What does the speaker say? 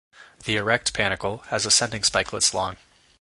The erect panicle has ascending spikelets long.